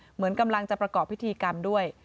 เหมือนกำลังจะประกอบพิธีกรรมด้วย